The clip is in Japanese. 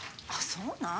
そうなん？